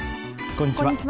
こんにちは。